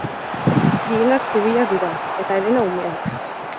Gehienak zibilak dira, eta herena umeak.